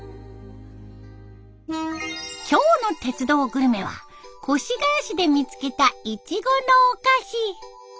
今日の「鉄道グルメ」は越谷市で見つけたイチゴのお菓子。